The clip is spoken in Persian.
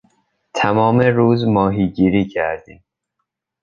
تمام روز ماهیگیری کردیم.